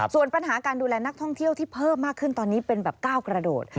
ส่วนปัญหาการดูแลนักท่องเที่ยวที่เพิ่มมากขึ้นตอนนี้เป็นแบบก้าวกระโดด